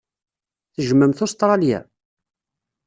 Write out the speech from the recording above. Tejjmemt Ustṛalya?